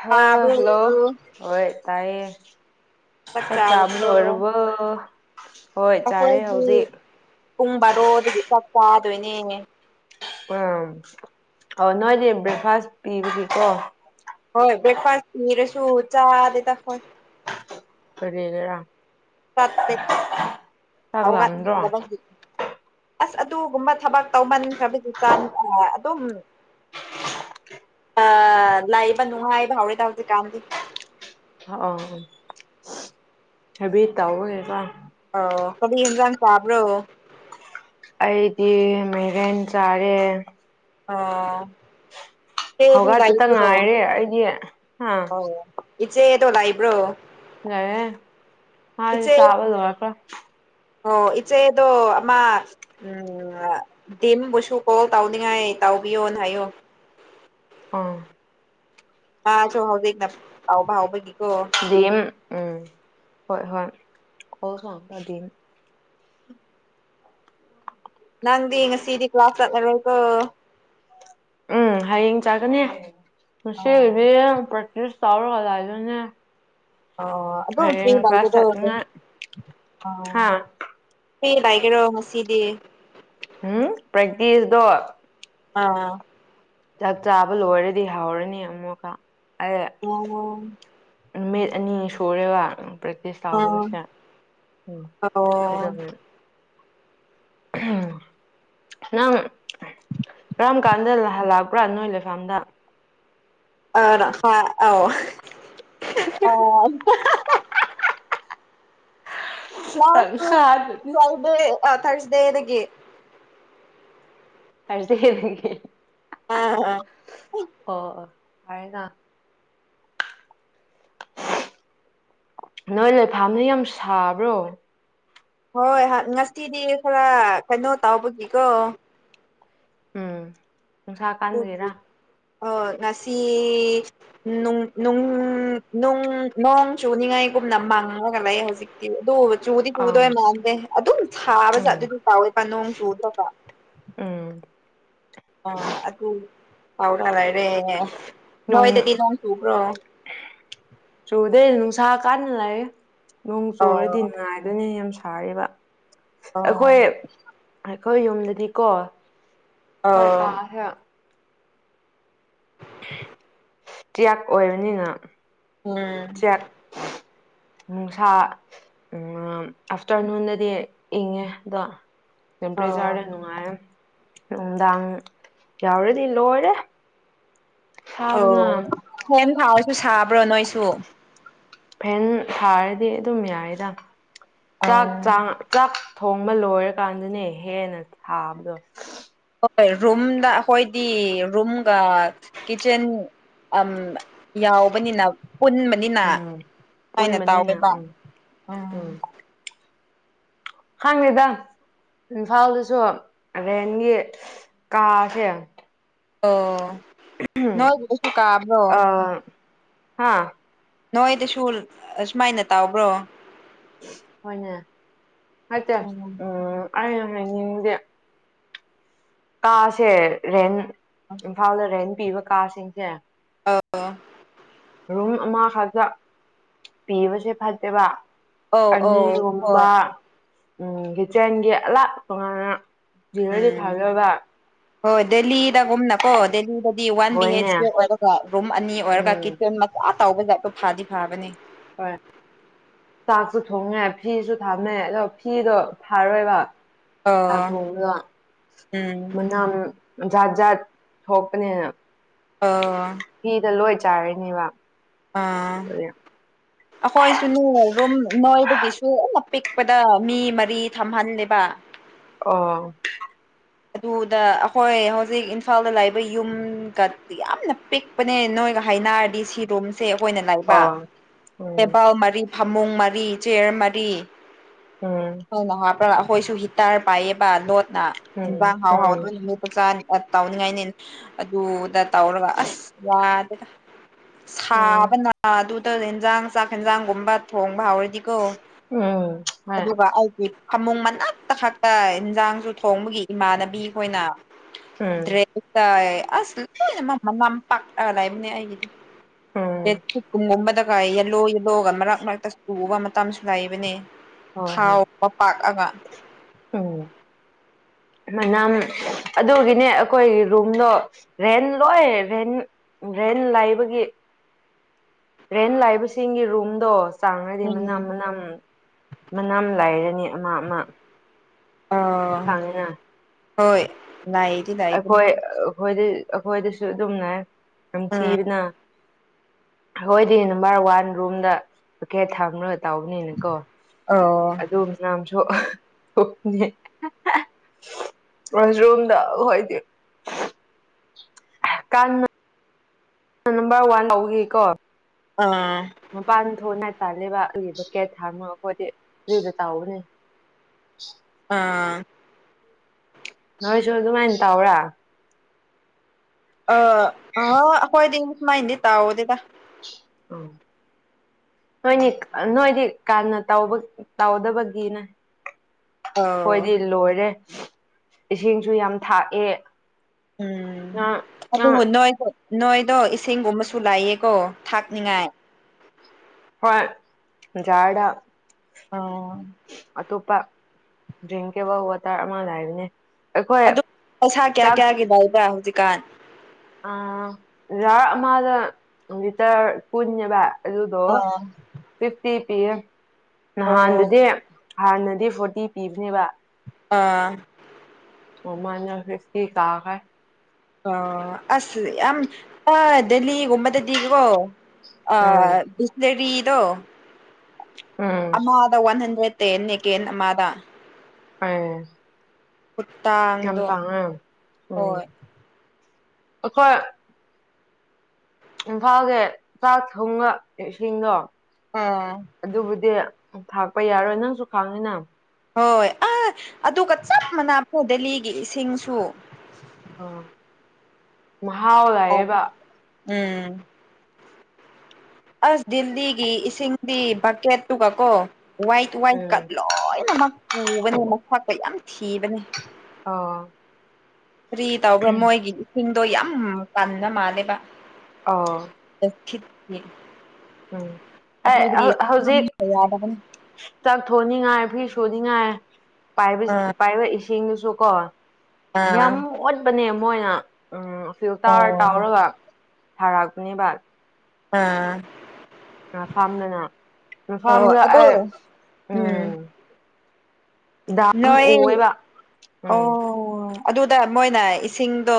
ꯍꯥ ꯇꯥꯕ꯭ꯔꯣ ꯍꯜꯂꯣ ꯍꯣꯏ ꯇꯥꯏꯌꯦ ꯆꯥꯛ ꯆꯥꯕ ꯂꯣꯏꯔꯕꯣ ꯍꯣꯏ ꯆꯥꯔꯦ ꯑꯩꯈꯣꯏꯗꯤ ꯍꯧꯖꯤꯛ ꯄꯨꯡ ꯕꯥꯔꯣꯗꯒꯤ ꯆꯥꯛ ꯆꯥꯗꯣꯏꯅꯦ ꯎꯝ ꯑꯣ ꯅꯣꯏꯗꯤ ꯕ꯭ꯔꯦꯛꯐꯥꯁ ꯄꯤꯕꯒꯤꯀꯣ ꯍꯣꯏ ꯕ꯭ꯔꯦꯛꯐꯥꯁ ꯄꯤꯔꯁꯨ ꯆꯥꯗꯦꯗ ꯑꯈꯣꯏ ꯀꯔꯤꯒꯤꯔꯥ ꯆꯠꯇ‌ꯦ ꯆꯥꯛ ꯍꯥꯎꯒꯠꯅꯤ ꯂꯥꯝꯗ꯭ꯔꯣ [unintelligible] ꯑꯁ ꯑꯗꯨꯒꯨꯝꯕ ꯊꯕꯛ ꯇꯧꯃꯟꯈ꯭ꯔꯕꯒꯤ ꯇꯟ ꯑꯗꯨꯝ ꯑ ꯂꯩꯕ ꯅꯨꯡꯉꯥꯏꯕ ꯍꯧꯔꯦꯗ ꯍꯧꯖꯤꯛ ꯀꯥꯟꯗꯤ ꯑ ꯑ ꯍ‌ꯦꯕꯤꯠ ꯇꯧꯕꯒꯤꯀ‌ꯣ [unintelligible] ꯑꯣ ꯀꯔꯤ ꯏꯟꯖꯥꯡ ꯊ‌ꯣꯡꯉꯕ꯭ꯔꯣ ꯑꯩꯗꯤ ꯃꯩꯔꯦꯟ ꯆꯥꯔꯦ ꯑꯣ ꯆꯦꯗꯤ ꯍꯧꯒꯠꯄꯇ ꯂꯩꯕ꯭ꯔꯣ ꯉꯥꯏꯔꯦ ꯑꯩꯗꯤ ꯍꯥ ꯑꯧ ꯏꯆꯦ ꯗꯣ ꯂꯩꯕ꯭ꯔꯣ ꯂꯩꯌꯦ ꯃꯥꯗꯤ ꯏꯆꯦ ꯆꯥꯕ ꯂꯣꯏꯈ꯭ꯔꯦ ꯑꯣ ꯏꯆꯦꯗꯣ ꯑꯃ ꯎꯝ ꯗꯤꯝꯕꯨꯁꯨ ꯀꯣꯜ ꯇꯧꯅꯤꯡꯉꯥꯏ ꯇꯥꯎꯕꯤꯌꯣꯅ ꯍꯥꯏꯌꯨ ꯑꯥ ꯃꯥꯁꯨ ꯍꯧꯖꯤꯛꯅ ꯇꯧꯕ ꯍꯧꯕꯒꯤ ꯗꯤꯑꯦꯝ ꯎꯝ ꯍ‌ꯣ ꯍꯣꯏ [unintelligible] [inaudible] ꯅꯪꯗꯤ ꯉꯁꯤꯗꯤ ꯀ꯭ꯂꯥꯁ ꯆꯠꯂꯔꯣꯏꯀꯣ ꯎꯝ ꯍꯌꯦꯡ ꯆꯥꯒꯅꯤ ꯑꯣ ꯉꯁꯤꯗꯤ ꯄ꯭ꯔꯦꯛꯇꯤꯁ ꯇꯧꯔꯒ ꯂꯩꯒꯅꯤ ꯑ ꯀ꯭ꯂꯥꯁ ꯑꯗꯨꯝ ꯆꯠꯅꯤꯡꯉꯥꯏ [unintelligible] ꯍꯥ ꯑ ꯀꯔꯤ ꯂꯩꯒꯦꯔꯣ ꯉꯁꯤꯗꯤ ꯎꯝ ꯄ꯭ꯔꯦꯛꯇꯤꯁꯗꯣ ꯑꯥ ꯆꯥꯛ ꯆꯥꯕ ꯂꯣꯏꯔꯗꯤ ꯍꯧꯔꯅꯤ ꯑꯃꯨꯛꯀ ꯑꯩ ꯑꯣ ꯅꯨꯃꯤꯠ ꯑꯅꯤ ꯁꯨꯔꯦꯕ ꯄ꯭ꯔꯦꯛꯇꯤꯁ ꯑꯣ ꯇꯧꯗꯕꯁꯦ ꯎꯝ ꯑꯣ ꯀꯩꯅ‌ꯣꯒꯤ ꯎꯝ ꯅꯪ ꯀꯔꯝ ꯀꯥꯟꯗ ꯍꯜꯂꯛꯄ꯭ꯔꯥ ꯅꯣꯏ ꯂꯩꯐꯝꯗ ꯑ ꯍ ꯑ ꯑꯥꯎ [unintelligible] ꯀ꯭ꯂꯥꯁ ꯁꯨ ꯇꯪꯈꯥꯏꯗꯅꯤ ꯇꯧꯗꯦ ꯑ ꯊꯥ꯭ꯔꯁꯗꯦꯗꯒꯤ ꯊ꯭ꯔꯁꯗ‌ꯦꯗꯒꯤ [unintelligible] ꯑꯣ ꯑꯣ ꯐꯔꯦꯅ ꯅꯣꯏ ꯂꯩꯐꯝꯗ‌ꯣ ꯌꯥꯝ ꯁꯥꯕ꯭ꯔꯣ ꯍꯣꯏ ꯉꯁꯤꯗꯤ ꯈꯔ ꯀꯩꯅꯣ ꯇꯧꯕꯒꯤꯀꯣ ꯎꯝ ꯅꯨꯡꯁꯥ ꯀꯥꯟꯕꯒꯤꯔꯥ ꯑꯣ ꯉꯁꯤ ꯅꯨꯡ ꯅꯨꯡ ꯄꯨꯡ ꯅꯣꯡ ꯆꯨꯅꯤꯉꯥꯏꯒꯨꯝꯅ ꯃꯥꯡꯉꯒ ꯂꯩ ꯍꯧꯖꯤꯛ ꯑꯗꯨ ꯆꯨꯗꯤ ꯑꯥ ꯆꯨꯗꯣꯏ ꯃꯥꯟꯗꯦ ꯑꯗꯨꯝ ꯊꯥꯕ ꯎꯝ ꯆꯠꯂꯦꯕ ꯀꯥꯎꯋꯦ ꯄꯥ ꯅꯣꯡ ꯆꯨꯗꯕ ꯎꯝ ꯑꯥ ꯑꯗꯨ ꯄꯥꯎꯔ ꯂꯩꯔꯦ ꯅꯣꯏꯗꯗꯤ ꯅꯣꯡ ꯆꯨꯕ꯭ꯔꯣ ꯆꯨꯗ ꯅꯨꯡꯁꯥ ꯀꯟꯅ ꯂꯩꯌꯦ ꯅꯣꯡ ꯆꯨꯔꯗꯤ ꯑꯣ ꯅꯨꯉꯥꯏꯗꯣꯅꯦ ꯌꯥꯝ ꯁꯥꯏꯌꯦꯕ ꯑꯩꯈꯣꯏ ꯑꯣ ꯑꯩꯈꯣꯏ ꯌꯨꯝꯗꯗꯤꯀꯣ ꯍꯣꯏ ꯑꯣ ꯀꯥꯥꯁꯦ ꯆꯦꯛ ꯑꯣꯏꯕꯅꯤꯅ ꯎꯝ ꯆꯦꯛ ꯅꯨꯡꯁꯥ ꯎꯝ ꯑꯥꯐꯇꯔꯅꯨꯟꯗꯗꯤ ꯏꯪꯉꯦ ꯑꯗꯣ ꯑꯣ ꯇꯦꯝꯄꯔꯦꯆꯔꯗ ꯅꯨꯡꯉꯥꯏꯌꯦ ꯅꯨꯡꯗꯥꯡ ꯌꯥꯎꯔꯗꯤ ꯂꯣꯏꯔꯦ ꯁꯥꯕꯅ ꯑꯣ ꯐꯦꯟ ꯊꯥꯔꯁꯨ ꯁꯥꯕ꯭ꯔꯣ ꯅꯣꯏꯁꯨ ꯐꯦꯟ ꯊꯔꯥꯗꯤ ꯑꯗꯨꯝ ꯌꯥꯏꯗ ꯆꯥꯛ ꯑꯣ ꯆ ꯆꯥꯛ ꯊꯣꯡꯕ ꯂꯣꯏꯔꯀꯥꯟꯗꯅꯦ ꯍꯦꯟꯅ ꯊꯥꯕꯗꯣ ꯍꯣꯏ ꯔꯨꯝꯗ ꯑꯩꯈꯣꯏꯗꯤ ꯔꯨꯝꯒ ꯀꯤꯠꯆꯦꯟ ꯎꯝ ꯌꯥꯎꯕꯅꯤꯅ ꯄꯨꯟ ꯑꯅꯤꯅ ꯎꯝ ꯍꯥꯏꯅ ꯄꯨꯟꯕꯅꯤꯅ ꯇꯥꯎꯋꯦꯕ ꯎꯝ ꯎꯝ ꯍꯥꯡ ꯂꯤꯗ ꯏꯝꯐꯥꯜꯗꯁꯨ ꯔꯦꯟꯒꯤ ꯀꯥꯁꯦ ꯑꯣ ꯅꯣꯏꯁꯨ [unintelligible] ꯀꯥꯕ꯭ꯔꯣ ꯍꯥꯥ ꯅꯣꯏꯗꯁꯨ ꯁꯨꯃꯥꯏꯅ ꯇꯥꯎꯕ꯭ꯔꯣ ꯍꯣꯏꯅꯦ ꯍꯥꯏꯇꯦ [unintelligible] ꯀꯥꯁꯦ ꯔꯦꯟ ꯏꯝꯐꯥꯜꯗ ꯔꯦꯟ ꯄꯤꯕ ꯀꯥꯁꯤꯡꯁꯦ [unintelligible] ꯔꯨꯝ ꯑꯃꯈꯛꯇ ꯄꯤꯕꯁꯦ ꯐꯠꯇꯦꯕ ꯑꯧ ꯑꯧ ꯍꯣꯏ ꯑꯅꯤꯒꯨꯝꯕ ꯎꯝ ꯀꯤꯠꯆꯦꯟꯒꯤ ꯑꯂꯥꯛꯄ ꯇꯉꯥꯟꯅ ꯎꯝ ꯍꯣꯏ ꯗꯦꯜꯂꯤꯗꯒꯨꯝꯅꯀꯣ ꯗꯦꯜꯂꯤ ꯗꯤ ꯋꯥꯟ ꯕꯤ ꯍꯣꯏꯅꯦ ꯍꯩꯆꯀꯤ ꯑꯣꯏꯔꯒ ꯔꯨꯝ ꯑꯅꯤ ꯑꯣꯏꯔꯒ ꯎꯝ ꯀꯤꯠꯆꯟ ꯃꯆꯥ ꯇꯧꯕꯁꯦ ꯐꯗꯤ ꯐꯥꯕꯅꯦ ꯍꯣꯏ ꯆꯥꯛꯁꯨ ꯊꯣꯡꯉꯦ ꯐꯤꯁꯨ ꯊꯥꯝꯃꯦ ꯑꯗꯣ ꯐꯤꯗꯣ ꯐꯥꯔꯣꯏꯕ ꯆꯥꯛ ꯑꯣ ꯊꯣꯡꯕꯗꯣ ꯎꯝ ꯃꯅꯝ ꯖꯥꯠ ꯖꯥꯠ ꯊꯣꯛꯄꯅꯤꯅ ꯑꯣ ꯐꯤꯗ ꯂꯣꯏ ꯆꯥꯏꯔꯅꯤꯕ ꯑꯥ ꯑꯩꯈꯣꯏꯁꯨꯅꯦ ꯔꯨꯝ ꯅꯣꯏꯗꯒꯤꯁꯨ ꯑꯅ ꯄꯤꯛꯄꯗ ꯃꯤ ꯃꯔꯤ ꯊꯝꯍꯜꯂꯦꯕ ꯑꯣ ꯑꯗꯨꯗ ꯑꯩꯈꯣꯏ ꯍꯧꯖꯤꯛ ꯏꯝꯐꯥꯜꯗ ꯂꯩꯕ ꯌꯨꯝꯒꯇꯤ ꯌꯥꯝꯅ ꯄꯤꯛ ꯅꯦ ꯅꯣꯏꯒ ꯍꯥꯏꯅꯔꯗꯤ ꯁꯤ ꯔꯨꯝ ꯁꯦ ꯑꯩꯈꯣꯏꯅ ꯂꯩꯕ ꯑꯣ ꯎꯝ ꯇꯦꯕꯜ ꯃꯔꯤ ꯐꯃꯨꯡ ꯃꯔꯤ ꯆꯤꯌꯔ ꯃꯔꯤ ꯎꯝ ꯅꯪꯅ ꯍꯥꯞꯄ꯭ꯔꯥ ꯑꯩꯈꯣꯏꯁꯨ ꯍꯤꯇꯥꯔ ꯄꯥꯏꯌꯦꯕ ꯂꯣꯠꯅ ꯎꯝ ꯌꯦꯟꯖꯥꯡ ꯍꯥꯎ ꯎꯝ ꯍꯥꯎꯗꯣꯏꯅꯤ ꯂꯣꯠꯄ ꯆꯥꯅꯤ ꯑ ꯇꯥꯎꯅꯤꯡꯉꯥꯏꯅꯦ ꯑꯗꯨꯗ ꯇꯧꯔꯒ ꯑꯁ ꯌꯥꯗꯦꯗ ꯎꯝ ꯁꯥꯕꯅ ꯑꯗꯨꯗ ꯏꯟꯖꯥꯡ ꯆꯥꯛ ꯌꯦꯟꯖꯥꯡꯒꯨꯝꯕ ꯊꯣꯡꯕ ꯍꯧꯔꯗꯤꯀꯣ ꯎꯝ ꯍꯣꯏ ꯑꯗꯨꯒ ꯑꯩꯒꯤ ꯐꯃꯨꯡ ꯃꯅꯥꯛꯇ ꯈꯛꯇ ꯏꯟꯖꯥꯡꯁꯨ ꯊꯣꯡꯕꯒꯤ ꯏꯃꯥꯟꯅꯕꯤꯈꯣꯏꯅ ꯎꯝ ꯗ꯭ꯔꯦꯁꯇ [unintelligible] ꯑꯁ ꯂꯣꯏꯅ ꯃꯃꯝ ꯄꯥꯛꯂ ꯂꯩꯕꯅꯦ ꯑꯩꯒꯤꯗꯤ ꯎꯝ ꯨꯝꯒꯨꯝꯕꯗꯒꯥꯏ ꯌꯦꯜꯂꯣ ꯌꯦꯜꯂꯣꯒ ꯃꯔꯛ ꯃꯔꯛꯇ ꯆꯨ ꯎꯕ ꯃꯇꯝꯁꯨ ꯂꯩꯏꯕꯅꯦ ꯊꯥꯎ ꯃꯄꯥꯛ ꯑꯃ ꯑꯝ ꯃꯅꯝ ꯑꯗꯨꯒꯤꯅꯦ ꯑꯩꯈꯣꯏꯒꯤ ꯔꯨꯝꯗꯣ ꯔꯦꯟ ꯂꯣꯏ ꯔꯦꯟ ꯔꯦꯟ ꯂꯥꯏꯕꯒꯤ ꯔꯦꯟ ꯂꯥꯏꯕꯁꯤꯡꯒꯤ ꯔꯨꯝꯗꯣ ꯆꯥꯡꯉꯗꯤ ꯃꯅꯥ ꯎꯝ ꯃꯅꯥ ꯃꯅꯥ ꯂꯥꯏꯔꯅꯤ ꯑꯃ ꯑꯃ ꯑꯣ ꯈꯪꯉꯤꯅ ꯍꯣꯏ ꯑꯩꯈꯣꯏ ꯂꯩꯕꯅꯤ ꯑꯩꯈꯣꯏꯗ ꯑꯩꯈꯣꯏꯗꯁꯨ ꯑꯗꯨꯝꯅꯦ ꯎꯝ ꯅꯝꯊꯤꯕꯅ ꯑꯩꯈꯣꯏꯗꯤ ꯅꯝꯕꯔ ꯋꯥꯟ ꯔꯨꯝꯗ ꯕꯀꯦꯠ ꯊꯝꯃꯒ ꯇꯧꯕꯅꯤꯅꯀꯣ ꯑꯣ ꯑꯗꯨꯝ ꯃꯁꯨ [unintelligible] ꯋꯥꯁꯔꯨꯝꯗ ꯀꯥꯟ ꯅꯝꯕꯔ ꯋꯥꯟ ꯂꯧꯒꯦ [unintelligible] ꯀꯣ ꯑꯥ ꯃꯄꯥꯟ ꯊꯣꯛ ꯅꯥꯏ ꯇꯜꯂꯦꯕ ꯑꯗꯨꯒꯤ ꯕꯀꯦꯠ ꯊꯥꯝꯃꯒ ꯑꯩꯈꯣꯏꯗꯤ ꯑꯗꯨꯗ ꯇꯥꯎꯕꯅꯦ ꯑꯥ ꯅꯣꯏꯁꯨ ꯑꯗꯨꯃꯥꯏꯅ ꯇꯧ꯭ꯔꯥ ꯑ ꯑ ꯑꯩꯈꯣꯏꯗꯤꯃꯥꯏꯗꯤꯦ ꯇꯥꯎꯑꯣꯗꯗ ꯑꯧ ꯅꯣꯏꯅꯤ ꯅꯣꯏꯗꯤ ꯀꯅ ꯇꯧꯗ ꯇꯧꯗꯕꯒꯤꯅ ꯑꯧ ꯍꯣꯏꯗꯤ ꯂꯣꯏꯔꯦ ꯏꯁꯤꯡꯁꯨ ꯌꯥꯝ ꯊꯥꯛꯑꯦ ꯎꯝ ꯉꯥ ꯉꯥ ꯑꯗꯨꯕꯨ ꯅꯣꯏꯁꯨ ꯅꯣꯏꯗꯣ ꯏꯁꯤꯡꯒꯨꯝꯕꯁꯨ ꯂꯩꯌꯦꯀꯣ ꯊꯥꯛꯅꯤꯉꯥꯏ ꯍꯣꯏ ꯖꯥꯔꯗ ꯑꯣ ꯑꯇꯣꯞꯄ ꯗ꯭ꯔꯤꯡꯀꯦꯕꯜ ꯋꯥꯇꯔ ꯑꯃ ꯂꯩꯕꯅꯦ ꯑꯩꯈꯣꯏ ꯑꯗꯨ ꯄꯩꯁꯥ ꯀꯌꯥ ꯆꯥꯛ ꯀꯌꯥꯒꯤ ꯂꯩꯕ꯭ꯔ ꯍꯧꯖꯤꯛꯀꯥꯟ ꯑꯥ ꯖꯥꯔ ꯑꯃꯗ ꯂꯤꯇꯔ ꯀꯨꯟꯅꯦꯕ ꯑꯗꯨꯗꯣ ꯑꯥ ꯐꯤꯐꯇꯤ ꯄꯤꯌꯦ ꯑꯣ ꯅꯍꯥꯟꯗꯨꯗꯤ ꯍꯥꯟꯅꯗꯤ ꯐꯣꯔꯇꯤ ꯄꯤꯕꯅꯦꯕ ꯑꯥ ꯃꯃꯥꯅ ꯐꯤꯐꯇꯤ ꯀꯥꯈ꯭ꯔꯦ ꯑ ꯑꯁ ꯌꯥꯝ ꯗꯦꯜꯍꯤꯒꯨꯝꯕꯗꯗꯤꯀꯣ ꯎꯝ ꯑ ꯕꯤꯁꯂꯔꯤꯗꯣ ꯎꯝ ꯑꯃꯥꯗ ꯋꯥꯟ ꯍꯟꯗ꯭ꯔꯦꯠ ꯇꯦꯟ ꯅꯦꯀꯦꯟ ꯑꯃꯥꯗ ꯑ ꯀꯨꯇꯥꯥ ꯌꯥꯝ ꯇꯥꯡꯉꯦ ꯎꯝ ꯑꯩꯈꯣꯏ ꯏꯝꯐꯥꯜꯒꯤ ꯆꯥꯛ ꯊꯣꯡꯕ ꯏꯁꯤꯡꯗꯣ ꯎꯝ ꯑꯗꯨꯕꯨꯗꯤ ꯊꯥꯛꯄ ꯌꯥꯔꯣꯏ ꯅꯪꯁꯨ ꯈꯥꯡꯉꯤꯅ ꯍꯣꯏ ꯑ ꯑꯗꯨꯒ ꯆꯞ ꯃꯥꯟꯅꯥ ꯐ ꯗꯦꯜꯂꯤꯒꯤ ꯏꯁꯤꯡꯁꯨ ꯑ ꯃꯍꯥꯎ ꯂꯌꯦꯕ ꯎꯝ ꯑꯁ ꯗꯤꯜꯂꯤꯒꯤ ꯏꯁꯤꯡꯗꯤ ꯕꯀꯦꯠꯇꯨꯒ ꯀꯣ ꯋꯥꯏꯠ ꯋꯥꯏꯠ ꯎꯝ ꯀꯠ ꯂꯣꯏꯅꯃꯛ ꯄꯨꯕꯅꯦ ꯃꯁꯥꯛꯀ ꯌꯥꯝ ꯊꯤꯕꯅꯦ ꯑꯣ ꯐ꯭ꯔꯤ ꯇꯧꯕ꯭ꯔꯥ ꯃꯣꯏꯒꯤ ꯏꯁꯤꯡꯗꯣ ꯌꯥꯝ ꯄꯅ ꯃꯥꯜꯂꯦꯕ ꯑ ꯗꯈꯤ ꯎꯝ ꯑꯩ ꯍꯧ ꯍꯧꯖꯤꯛ ꯌꯥꯗꯕꯅꯤ ꯆꯥꯛ ꯊꯣꯡꯅꯤꯡꯉꯥꯏ ꯐꯤ ꯁꯨꯅꯤꯡꯉꯥꯏ ꯄꯥꯏꯕ ꯑꯥ ꯄꯥꯏꯕ ꯁꯤꯡꯗꯨꯁꯨ ꯀꯣ ꯑꯥ ꯌꯥꯝ ꯑꯣꯠꯄꯅꯦ ꯃꯣꯏꯅ ꯎꯝ ꯁꯨꯝ ꯑꯣ ꯇꯥꯎꯔ ꯇꯥꯎꯔꯒ ꯊꯥꯔꯛꯄꯅꯤꯕ ꯑꯝ ꯃ ꯐꯥꯝꯗꯅ ꯑꯣ ꯃꯐꯝꯥꯝꯗ ꯑꯗꯣ ꯑꯩ ꯎꯝ ꯗꯥꯝ ꯅꯣꯏ ꯎꯑꯦꯕ ꯎꯝ ꯑꯣ ꯑꯗꯨꯗ ꯃꯣꯏꯅ ꯏꯁꯤꯡꯗꯣ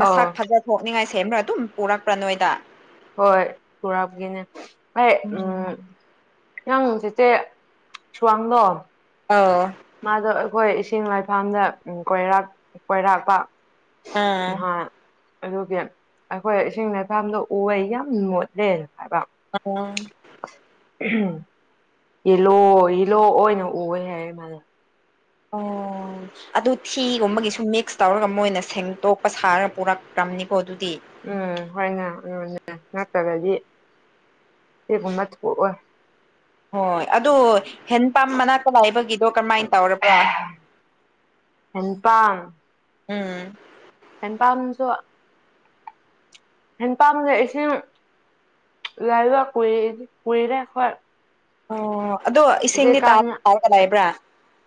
ꯃꯁꯛ ꯑꯥ ꯐꯖ ꯊꯣꯛꯣꯛꯅꯤꯡꯉꯥꯏ ꯁꯦꯝꯕ꯭ꯔꯥ ꯑꯗꯨꯝ ꯄꯨꯔꯛꯄ꯭ꯔꯥ ꯅꯣꯏꯗ ꯍꯣꯏ ꯄꯨꯔꯥꯞꯒꯤꯅꯦ ꯑꯩ ꯎꯝ ꯅꯪ ꯆꯆꯦ ꯁ꯭ꯋꯥꯡꯗꯣ ꯑꯧ ꯃꯥꯗꯣ ꯑꯩꯈꯣꯏ ꯏꯁꯤꯡ ꯂꯥꯏꯐꯝꯥꯝꯗ ꯀꯣꯏꯔꯥꯛ ꯀꯣꯏꯔꯥꯛꯄ ꯑꯥ ꯍꯥꯥ ꯑꯗꯨꯒꯤ ꯑꯩꯈꯣꯏ ꯏꯁꯤꯡ ꯂꯩꯥꯏꯄꯥꯗꯣ ꯎꯍ ꯌꯥꯝ ꯃꯣꯠꯂꯦ ꯍꯥꯏꯕ ꯑ ꯌꯦꯂꯣ ꯌꯦꯂꯣ ꯑꯣꯏꯅ ꯎꯌꯦ ꯍꯥꯏꯌꯦ ꯃꯥꯗꯣ ꯑꯣ ꯑꯗꯨ ꯊꯤꯒꯨꯝꯕꯒꯤꯁꯨ ꯃꯤꯛꯁ ꯇꯧꯔꯒ ꯃꯣꯏꯅ ꯁꯦꯡꯇꯣꯛꯄ ꯁꯥꯔꯒ ꯄꯨꯔꯛꯈ꯭ꯔꯕꯅꯤꯀꯣ ꯑꯗꯨꯗꯤ ꯎꯝ ꯍꯣꯏꯅꯅꯦ ꯅꯠꯇ꯭ꯔꯗꯤ ꯀꯦꯒꯨꯝꯕ ꯊꯣꯛꯑꯣꯏ ꯍꯣꯏ ꯑꯗꯨ ꯍꯦꯟ ꯄꯝ ꯃꯅꯥꯛꯇ ꯂꯥꯏꯕꯒꯤꯗꯣ ꯀꯔꯝꯍꯥꯏꯅ ꯇꯧꯔꯕ꯭ꯔꯥ ꯍꯦꯟ ꯄꯥꯟ ꯎꯝ ꯑꯦ ꯄꯝꯁꯨ ꯍꯦꯟ ꯄꯥꯝꯖꯦ ꯏꯁꯤꯡ ꯂꯥꯏꯕ ꯀꯨ ꯀꯨꯏꯔꯦ ꯑꯣꯏ ꯑꯣ ꯑꯗꯣ ꯏꯁꯤꯡꯗꯤ ꯇꯥ ꯍꯧꯖꯤꯛꯀꯥꯟꯁꯤꯅ ꯀꯗꯥꯏꯕ꯭ꯔꯥ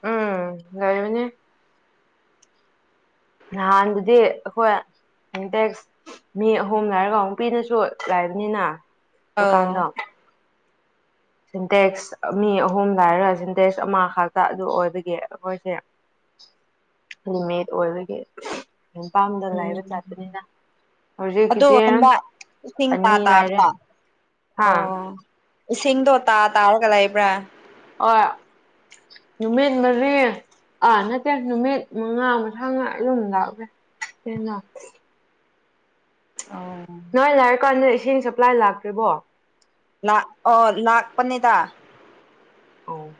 ꯎꯝ ꯂꯩꯕꯅꯤ ꯅꯍꯥꯟꯗꯨꯗꯤ ꯑꯩꯈꯣꯏ ꯏꯟꯇꯦꯛꯁ ꯃꯤ ꯑꯍꯨꯝ ꯂꯩꯔꯒ ꯑꯃꯨꯛ ꯅꯨꯄꯤꯅꯁꯨ ꯂꯩꯕꯅꯤꯅ ꯑꯧ ꯗꯨꯀꯥꯟꯗꯣ ꯁꯤꯟꯇꯦꯛꯁ ꯃꯤ ꯑꯍꯨꯝ ꯂ ꯍꯥꯏꯔꯒ ꯁꯤꯟꯇꯦꯛꯁ ꯑꯃꯈꯥꯛꯛꯇ ꯑꯗꯨ ꯑꯣꯏꯕꯒꯤ ꯑꯩꯈꯣꯏꯁꯦ ꯔꯨꯝꯃꯦꯠ ꯑꯣꯏꯕꯒꯤ ꯃꯄꯥꯝꯗ ꯂꯩꯕ ꯆꯠꯄꯅꯤꯗ ꯑꯗꯨ ꯍꯗꯥ ꯂꯤꯁꯤꯡ ꯇꯥ ꯑꯅꯤ ꯂꯩꯔꯦ ꯇꯥꯕꯣ ꯍꯥ ꯑꯣ ꯏꯁꯤꯡꯗꯣ ꯇꯥ ꯇꯥꯔꯒ ꯂꯩꯕ꯭ꯔꯥ ꯑꯣ ꯅꯨꯃꯤꯠ ꯃꯔꯤ ꯑꯥ ꯅꯠꯇꯦ ꯅꯨꯃꯤꯠ ꯃꯉꯥ ꯃꯊꯥ ꯃꯥ ꯑꯗꯨꯝ ꯂꯥꯛꯂꯦ ꯍꯅ ꯑꯣ ꯅꯣꯏ ꯂꯥꯏꯔ ꯀꯥꯟꯗ ꯏꯁꯤꯡ ꯁꯄ꯭ꯂꯥꯏ ꯂꯥꯛꯇ꯭ꯔꯤꯕꯣ ꯂꯥꯛ ꯑꯣ ꯂꯥꯛꯄꯅꯤꯗ ꯑꯣ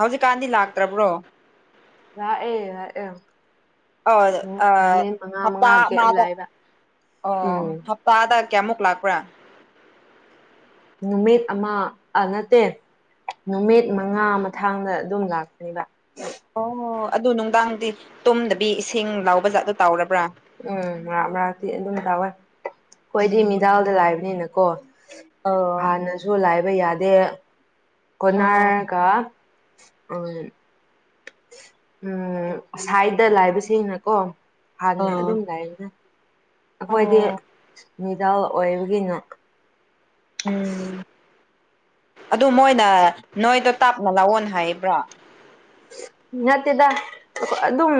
ꯍꯧꯖꯤꯛꯀꯥꯟꯗꯤ ꯂꯥꯛꯇ꯭ꯔꯕ꯭ꯔꯣ ꯂꯥꯛ ꯑꯦ ꯂꯥꯛ ꯑꯦ ꯑ ꯑꯣ ꯍꯞꯇꯥ ꯃꯉꯥ ꯒꯦꯞ ꯑꯃꯗ ꯂꯥꯛꯑꯦꯕ ꯎꯝ ꯑꯣ ꯇꯥꯗ ꯀꯌꯥꯃꯨꯛ ꯂꯥꯛꯄ꯭ꯔꯥ ꯅꯨꯃꯤꯠ ꯑꯃ ꯅꯠꯇꯦ ꯅꯨꯃꯤꯠ ꯃꯉꯥ ꯃꯊꯥꯡꯗ ꯑꯗꯨꯝ ꯂꯥꯛꯀꯅꯦꯕ ꯑꯣ ꯑꯗꯨ ꯅꯨꯡꯗꯥꯡꯗꯤ ꯇꯨꯝꯗꯕꯤ ꯏꯁꯤꯡ ꯂꯥꯎꯕ ꯖꯥꯠꯇꯣ ꯇꯥꯎꯔꯕ꯭ꯔꯥ ꯎꯝ ꯃꯔꯛ ꯃꯔꯛꯇꯤ ꯑꯗꯨꯝ ꯇꯥꯑꯣꯏ ꯑꯩꯣꯏꯗꯤ ꯎꯝ ꯃꯤꯗꯥꯜꯗ ꯂꯥꯏꯕꯅꯤꯅꯀꯣ ꯑꯣ ꯍꯥꯟꯅꯁꯨ ꯂꯥꯏꯕ ꯌꯥꯗꯦ ꯀꯔꯅꯥꯀꯥ ꯑ ꯎꯝ ꯁꯥꯏꯗ ꯂꯥꯏꯕꯁꯅꯤꯀꯣ ꯍꯥꯟꯅ ꯑꯣ ꯑꯗꯨꯝ ꯂꯥꯏꯅ ꯑꯩꯈꯣꯏꯗꯤ ꯃꯤꯗꯥꯜ ꯑꯣꯏꯕꯒꯤꯅꯣ ꯎꯝ ꯑꯗꯨ ꯃꯣꯏꯅ ꯅꯣꯏꯗꯣ ꯇꯥꯞꯅ ꯂꯥꯛꯑꯣꯅ ꯍꯥꯏꯕ꯭ꯔꯣ ꯅꯠꯇꯦꯗ ꯑꯗꯨꯝ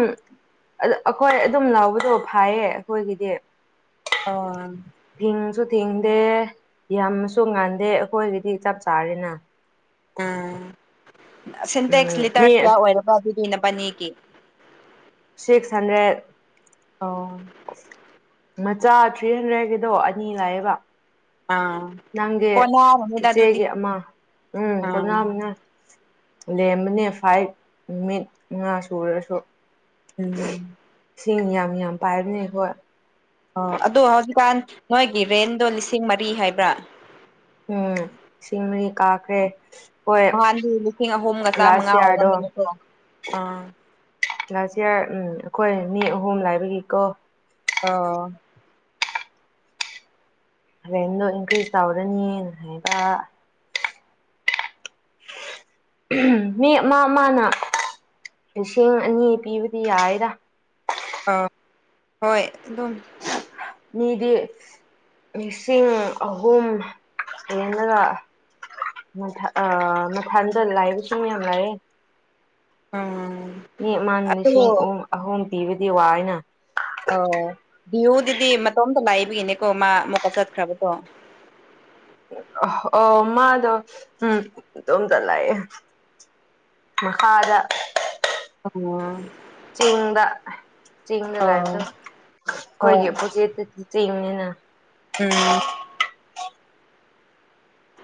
ꯑꯗꯨ ꯑꯩꯈꯣꯏ ꯑꯗꯨꯝ ꯂꯕꯗꯣ ꯐꯥꯏꯌꯦ ꯑꯩꯈꯣꯏꯒꯤꯗꯤ ꯑꯣ ꯊꯤꯡꯁꯨ ꯊꯤꯡꯗꯦ ꯌꯥꯝꯁꯨ ꯉꯥꯟꯗꯦ ꯑꯩꯈꯣꯏꯒꯤꯗꯤ ꯆꯞ ꯆꯥꯔꯦꯅ ꯁꯤꯟꯇꯦꯛꯁ ꯎꯝ ꯃꯤ ꯂꯤꯇꯔ ꯀꯌꯥ ꯑꯣꯏꯔꯒ ꯑꯗꯨꯗꯤ ꯅꯕꯅꯦꯒꯤ ꯁꯤꯛꯁ ꯍꯟꯗ꯭ꯔꯦꯠ ꯑꯣ ꯃꯆꯥ ꯊ꯭ꯔꯤ ꯍꯟꯗ꯭ꯔꯦꯠꯀꯤꯗꯣ ꯑꯅꯤ ꯂꯥꯛꯑꯦꯕ ꯑꯥ ꯅꯪꯗꯤ ꯀꯣꯟꯅꯔꯅꯤꯗ ꯑꯗꯨꯗꯤ ꯆꯤꯆꯦꯒꯤ ꯑꯃ ꯎꯝ ꯑꯥ ꯀꯣꯟꯅꯕꯅꯤ ꯂꯦꯝꯕꯅꯦ ꯐꯥꯏꯚ ꯅꯨꯃꯤꯠ ꯃꯉꯥ ꯁꯨꯔꯁꯨ ꯎꯝ ꯁꯤꯡ ꯌꯥꯝ ꯌꯥꯝ ꯄꯥꯏꯕꯅꯦ ꯑꯈꯣꯏ ꯑꯣ ꯑꯗꯣ ꯍꯧꯖꯤꯛꯀꯥꯟ ꯅꯣꯏꯒꯤ ꯔꯦꯟꯗꯣ ꯂꯤꯁꯤꯡ ꯃꯔꯤ ꯍꯥꯏꯕ꯭ꯔꯥ ꯎꯝ ꯏꯁꯤꯡ ꯃꯔꯤ ꯀꯥꯈ꯭ꯔꯦ ꯍꯣꯏ ꯅꯍꯥꯟꯗꯤ ꯂꯤꯁꯤꯡ ꯑꯍꯨꯝꯒ ꯆꯥꯝꯃꯉꯥ ꯂꯥꯁ ꯏꯌꯥꯔꯗꯣ ꯑꯣꯏꯔꯒꯗ ꯅꯠꯇ ꯎꯝ ꯂꯥꯁ ꯏꯌꯥꯔ ꯎꯝ ꯑꯩꯈꯣꯏ ꯃꯤ ꯑꯍꯨꯝ ꯂꯥꯏꯕꯒꯤꯀꯣ ꯑꯣ ꯍꯣꯔꯦꯟꯗꯣ ꯏꯟꯀ꯭ꯔꯦꯖ ꯇꯧꯔꯅꯤꯅ ꯍꯥꯏꯕ ꯃꯤ ꯑꯃ ꯃꯥꯅ ꯂꯤꯁꯤꯡ ꯑꯅꯤ ꯄꯤꯕꯗꯤ ꯌꯥꯏꯔ ꯑ ꯍꯣꯏ ꯑꯗꯨꯝ ꯃꯤꯗꯤ ꯂꯤꯁꯤꯡ ꯑꯍꯨꯝ ꯍꯦꯜꯂꯒ ꯑ ꯃꯊꯥꯟꯗ ꯂꯥꯏꯕꯁꯨ ꯌꯥꯝ ꯂꯥꯏꯑꯦ ꯎꯝ ꯃꯤ ꯑꯃ ꯑꯗꯣ ꯂꯤꯁꯤꯡ ꯑꯍꯨꯝ ꯑꯍꯨꯝ ꯄꯤꯕꯗꯤ ꯋꯥꯏꯅ ꯑꯣ ꯚ꯭ꯌꯨꯗꯨꯗꯤ ꯃꯇꯣꯝꯇ ꯂꯥꯛꯏꯕꯒꯤꯅꯤꯀꯣ ꯃꯥ ꯑꯃꯨꯛꯀ ꯆꯠꯈ꯭ꯔꯕꯗꯣ ꯑ ꯑꯣ ꯃꯥꯗꯣ ꯎꯝ ꯏꯇꯣꯝꯇ ꯂꯩꯌꯦ ꯃꯈꯥꯗ ꯑꯣꯝ ꯆꯤꯡꯗ ꯆꯤꯡꯗ ꯑꯣ ꯂꯩꯕꯗ ꯍꯣꯏ ꯑꯩꯈꯣꯏꯒꯤ ꯑꯣꯄꯣꯖꯦꯠꯇ ꯆꯤꯡꯅꯤꯅ ꯎꯝ